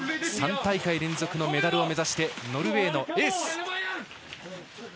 ３大会連続のメダルを目指してノルウェーのエース。